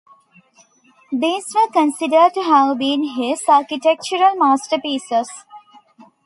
These were considered to have been his architectural masterpieces.